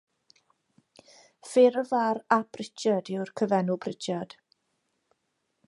Ffurf ar ap Richard yw'r cyfenw Pritchard.